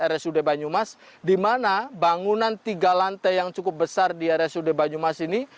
rsud banyumas di mana bangunan tiga lantai yang cukup besar di rsud banyumas ini